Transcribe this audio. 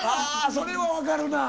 「それは分かるな。